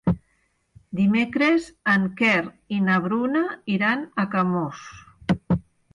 Dimecres en Quer i na Bruna iran a Camós.